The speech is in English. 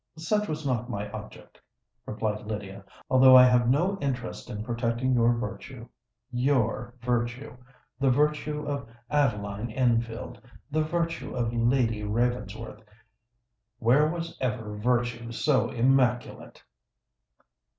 "Such was not my object," replied Lydia; "although I have no interest in protecting your virtue! Your virtue—the virtue of Adeline Enfield—the virtue of Lady Ravensworth! Where was ever virtue so immaculate?"